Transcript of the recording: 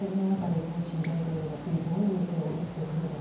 プーチン大統領が次、どういう手を取ってくるのか。